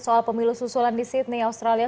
soal pemilu susulan di sydney australia